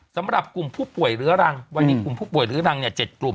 สำหรับกลุ่มผู้ป่วยเรื้อรังวันนี้กลุ่มผู้ป่วยเรื้อรังเนี่ย๗กลุ่ม